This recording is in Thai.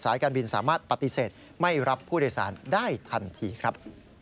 การบินสามารถปฏิเสธไม่รับผู้โดยสารได้ทันทีครับ